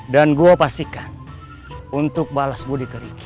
dan gua pastikan untuk balas gua dikeriki